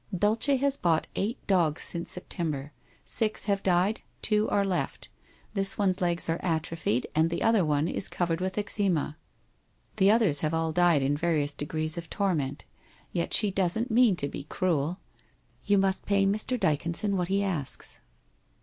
' Dulce has bought eight dogs since September. Six have died. Two are left. This one's legs are atrophied and the other one is covered with eczema. The others have all died, in various degrees of torment. Yet she doesn't Jinan to be cruel. You must pay Mr. Dyconson what he asks.'